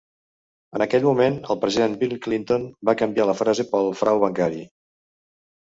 En aquell moment, el president Bill Clinton va canviar la frase pel frau bancari.